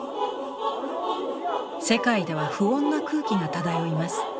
世界では不穏な空気が漂います。